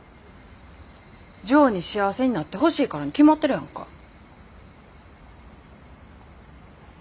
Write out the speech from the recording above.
ジョーに幸せになってほしいからに決まってるやんか。